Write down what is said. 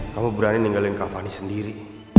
kamu berani ninggalin kavani sendiri